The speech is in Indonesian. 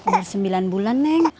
baru sembilan bulan neng